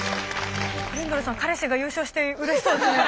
トリンドルさん彼氏が優勝してうれしそうですね。